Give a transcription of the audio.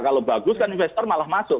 kalau bagus kan investor malah masuk